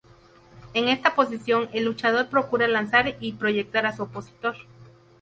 En esta posición el luchador procura lanzar y proyectar a su opositor.